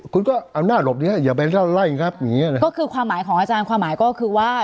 คุณก็เอาหน้าหลบอย่าไปไล่ครับคือความหมายของอาจารย์ความหมายก็คือว่า